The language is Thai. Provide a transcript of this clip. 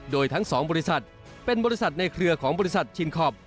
โดยทั้ง๒บริษัทเป็นบริษัทในเครือของบริษัทชินคอป